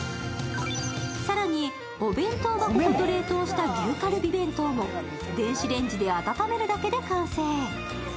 更に、お弁当箱ごと冷凍した牛カルビ弁当も電子レンジで温めるだけで完成。